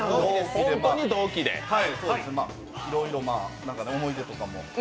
いろいろ思い出とかも。